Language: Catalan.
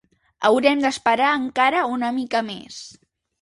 Haurem d’esperar encara una mica més.